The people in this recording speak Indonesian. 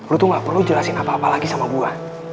lu tuh gak perlu jelasin apa apa lagi sama buah